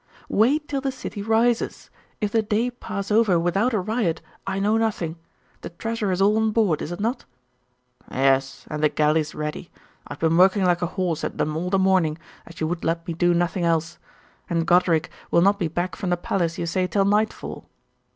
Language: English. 'Wait till the city rises. If the day pass over without a riot, I know nothing. The treasure is all on board, is it not?' 'Yes, and the galleys ready. I have been working like a horse at them all the morning, as you would let me do nothing else. And Goderic will not be back from the palace, you say, till nightfall!